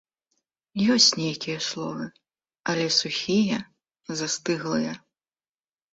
Ёсць нейкія словы, але сухія, застыглыя.